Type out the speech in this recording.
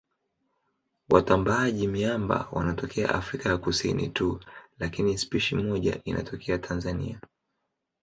Watambaaji-miamba wanatokea Afrika ya Kusini tu lakini spishi moja inatokea Tanzania.